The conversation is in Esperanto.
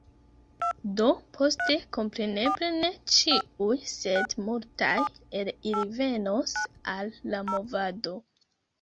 Do, poste, kompreneble, ne ĉiuj, sed multaj el ili venos al la movado.